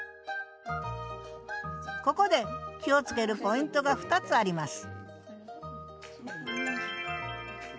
ここで気をつけるポイントが２つあります